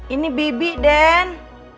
ini bibi dend